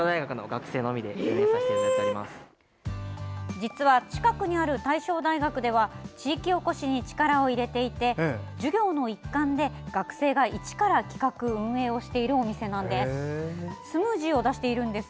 実は近くにある大正大学では地域おこしに力を入れていて授業の一環で、学生が一から企画・運営をしているお店なんです。